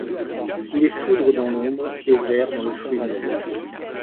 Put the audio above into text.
Il est foudre dans l’ombre et ver dans le fruit mûr.